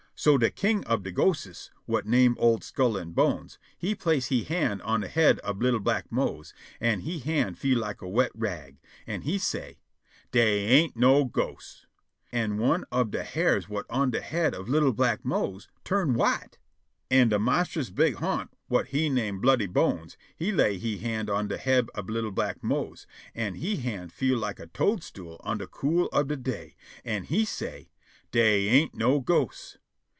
So de king ob de ghostes, whut name old Skull an' Bones, he place' he hand on de head ob li'l' black Mose, an' he hand feel like a wet rag, an' he say': "Dey ain't no ghosts." An' one ob de hairs whut on de head of li'l' black Mose turn' white. An' de monstrous big ha'nt whut he name Bloody Bones he lay he hand on de head ob li'l' black Mose, an' he hand feel like a toadstool in de cool ob de day, an' he say': "Dey ain't no ghosts."